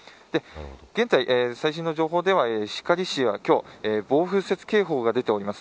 現在、最新の情報では石狩市は今日暴風雪警報が出ています。